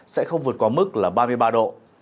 sẽ không vượt qua mức là ba mươi ba độ